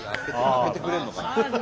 開けてくれるのか。